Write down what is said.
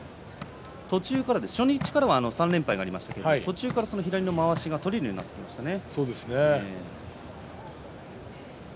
初日からは３連敗がありましたが途中から左のまわしが取れるようになりましたね。